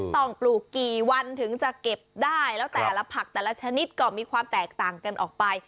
ปลูกกี่วันถึงจะเก็บได้แล้วแต่ละผักแต่ละชนิดก็มีความแตกต่างกันออกไป